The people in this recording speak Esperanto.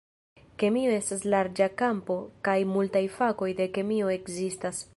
Kemio estas larĝa kampo kaj multaj fakoj de kemio ekzistas.